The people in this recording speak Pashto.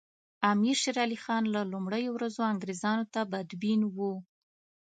امیر شېر علي خان له لومړیو ورځو انګریزانو ته بدبین وو.